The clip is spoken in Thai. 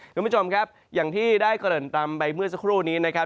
คุณผู้ชมครับอย่างที่ได้เกริ่นตำไปเมื่อสักครู่นี้นะครับ